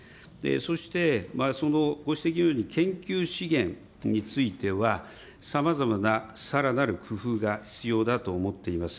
そしてご指摘のように、研究資源については、さまざまなさらなる工夫が必要だと思っています。